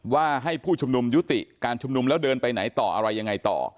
ว่าให้ผู้ชุมนุมยุติการชุมนุมแล้วเดินไปไหนต่ออะไรยังไงต่อ